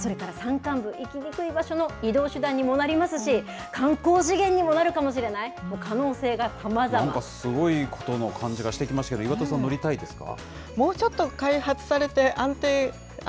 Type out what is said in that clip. それから山間部、行きにくい場所の移動手段にもなりますし、観光資源にもなるかもしれない、可能なんかすごいことの感じがしてきましたけど、岩田さん、乗りたいですか？